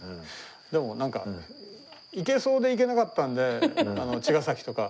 でもなんか行けそうで行けなかったんで茅ヶ崎とか。